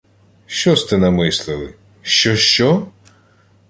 — Що сте намислили? Що, що!?